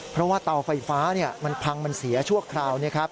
เพราะว่าเตาไฟฟ้ามันพังมันเสียชั่วคราว